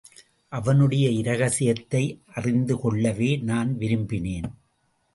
அவனுடைய இரகசியத்தை அறிந்து கொள்ளவே நான் விரும்பினேன்.